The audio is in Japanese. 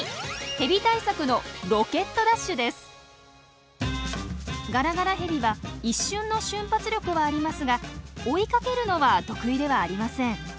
ヘビ対策のガラガラヘビは一瞬の瞬発力はありますが追いかけるのは得意ではありません。